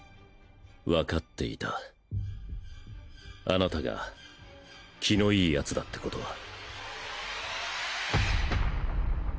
わかっていたあなたが気の良い奴だってことは